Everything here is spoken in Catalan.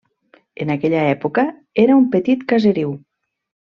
En aquella època, era un petit caseriu.